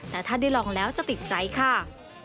แต่ถ้าได้ลองแล้วจะติดใจค่ะ